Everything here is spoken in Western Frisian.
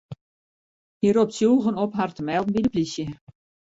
Hy ropt tsjûgen op har te melden by de plysje.